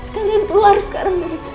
kalian keluar sekarang